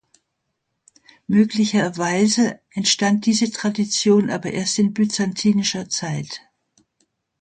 Möglicherweise entstand diese Tradition aber erst in byzantinischer Zeit.